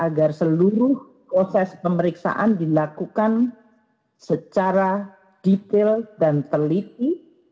agar seluruh proses pemeriksaan dilakukan secara detail dan teliti